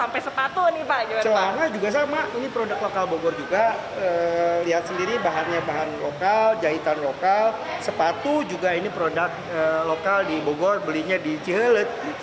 pada modal bogor juga lihat sendiri bahannya bahan lokal jahitan lokal sepatu juga ini produk lokal di bogor belinya di cihelet